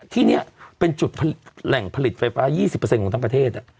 ที่นี่เป็นจุดแหล่งผลิตไฟฟ้า๒๐ของทั้งประเทศ